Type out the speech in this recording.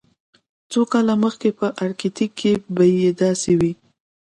څو کاله مخکې په ارکټیک کې بیې داسې وې